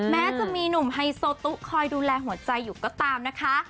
แม้จะมีหนุ่มไฮโซตุคอยดูแลหัวใจอยู่ก็ตามนะคะ